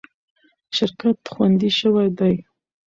شرکت خوندي شوی دی.